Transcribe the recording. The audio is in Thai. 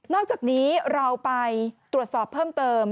อกจากนี้เราไปตรวจสอบเพิ่มเติม